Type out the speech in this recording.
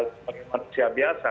sebagai manusia biasa